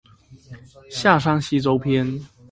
夏商西周篇